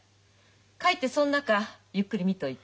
帰ってそん中ゆっくり見といて。